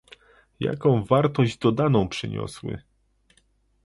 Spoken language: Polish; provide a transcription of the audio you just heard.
Jaką wartość dodaną przyniosły?